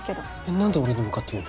何で俺に向かって言うの？